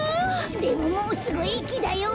でももうすぐえきだよ！